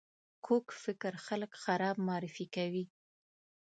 کوږ فکر خلک خراب معرفي کوي